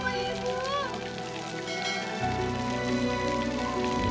kasihan aku pada tuhan